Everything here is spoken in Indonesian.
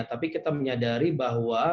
tapi kita menyadari bahwa